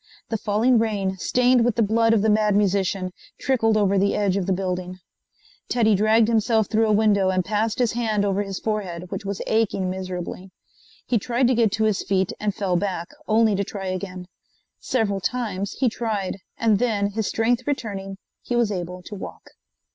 The falling rain, stained with the blood of the Mad Musician, trickled over the edge of the building. Teddy dragged himself through a window and passed his hand over his forehead, which was aching miserably. He tried to get to his feet and fell back, only to try again. Several times he tried and then, his strength returning, he was able to walk.